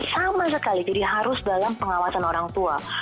sama sekali jadi harus dalam pengawasan orang tua